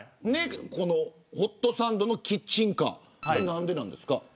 ホットサンドのキッチンカー何でなんですか。